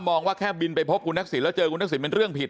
มองว่าแค่บินไปพบกูนักศิลป์แล้วเจอกูนักศิลป์เป็นเรื่องผิด